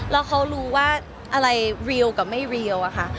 แล้วเขารู้ว่าอะไรรีลกับไม่รีลอะค่ะ